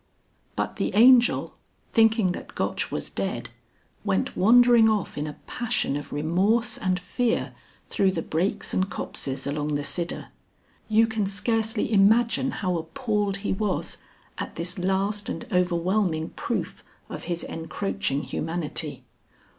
But the Angel, thinking that Gotch was dead, went wandering off in a passion of remorse and fear through the brakes and copses along the Sidder. You can scarcely imagine how appalled he was at this last and overwhelming proof of his encroaching humanity.